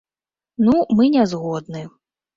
Ну, мы не згодны.